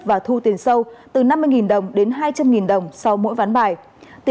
và thu tiền sâu từ năm mươi đồng đến hai trăm linh đồng sau mỗi ván bài